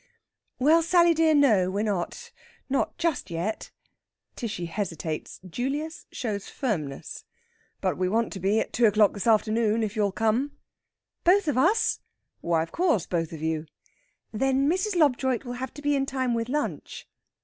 "Well, Sally dear, no, we're not not just yet." Tishy hesitates. Julius shows firmness. "But we want to be at two o'clock this afternoon, if you'll come...." "Both of us?" "Why of course, both of you." "Then Mrs. Lobjoit will have to be in time with lunch."